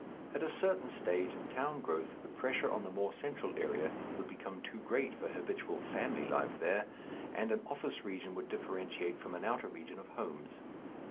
At a certain stage in town growth the pressure on the more central area would become too great for habitual family life there, and an office region would differentiate from an outer region of homes.